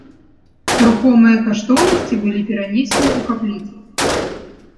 Рухомыя каштоўнасці былі перанесены ў капліцу.